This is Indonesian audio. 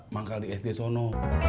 manggal di sd sono